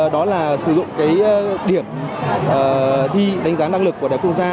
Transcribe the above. đó là sử dụng điểm thi đánh giá năng lực của đại học quốc gia